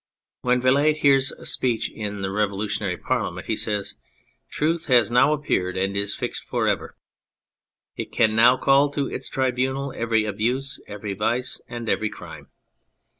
When Vilate hears a speech in the Revolutionary Parliament he says :" Truth has now appeared and is fixed for ever. It can now call to its tribunal every abuse, every vice, and every crime."